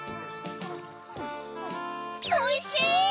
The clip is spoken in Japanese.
おいしい！